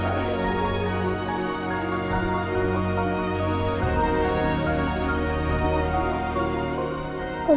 terima kasih tuhan